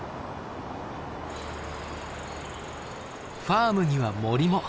ファームには森も。